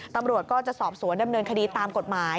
ตำรวจก็จะสอบสวนดำเนินคดีตามกฎหมาย